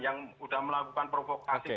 yang sudah melakukan provokasi